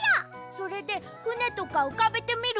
それでふねとかうかべてみる？